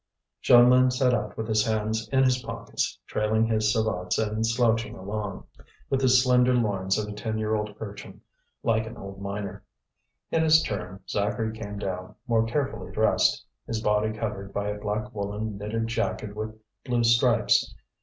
Jeanlin set out with hands in his pockets, trailing his sabots and slouching along, with his slender loins of a ten year old urchin, like an old miner. In his turn, Zacharie came down, more carefully dressed, his body covered by a black woollen knitted jacket with blue stripes.